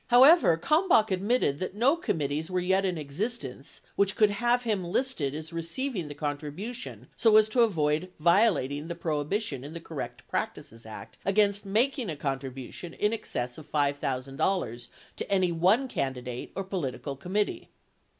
64 However, Kalmbach admitted that no com mittees were yet in existence which could have him listed as receiving the contribution so as to avoid violating the prohibition in the Corrupt Practices Act against making a contribution in excess of $5,000 to any one candidate or political committee.